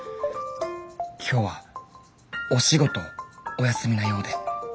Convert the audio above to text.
今日はお仕事お休みなようで。